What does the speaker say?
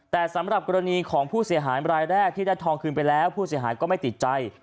แต่สำหรับกรณีของผู้เสียหายรายแรกที่ได้ทองคืนไปแล้วผู้เสียหายก็ไม่ติดใจ